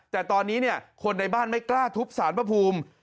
แต่ตอนนี้เนี่ยคนในบ้านไม่กล้าทุบสารภูมิ